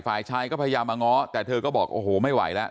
ฝ่ายชายก็พยายามมาง้อแต่เธอก็บอกโอ้โหไม่ไหวแล้ว